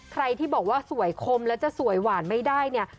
ใครที่บอกว่าสวยคมแล้วจะสวยหวานไม่ได้เนี่ย